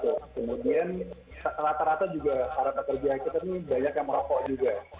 kemudian rata rata juga para pekerja kita ini banyak yang merokok juga